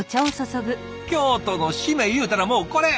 京都の締めいうたらもうこれ！